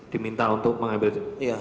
diminta untuk mengambil cairan lambung